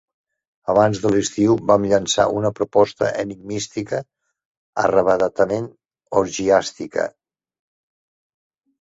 Abans de l'estiu vam llençar una proposta enigmística arravatadament orgiàstica.